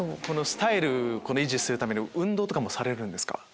スタイル維持するために運動とかもされるんですか？